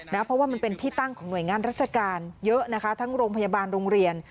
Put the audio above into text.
เพราะว่ามันเป็นที่ตั้งของหน่วยงานราชการเยอะนะคะทั้งโรงพยาบาลโรงเรียน